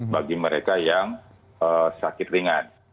bagi mereka yang sakit ringan